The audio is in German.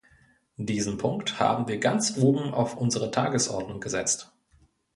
Diesen Punkt haben wir ganz oben auf unsere Tagesordnung gesetzt.